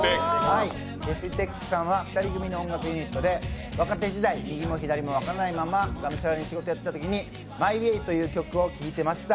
ＤｅｆＴｅｃｈさんは２人組の音楽ユニットで若手時代、右も左も分からないまま仕事をがむしゃらにやってたときに「ＭｙＷａｙ」という曲を聴いていました。